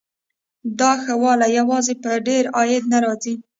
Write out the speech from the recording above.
دا ښه والی یوازې په ډېر عاید نه راځي.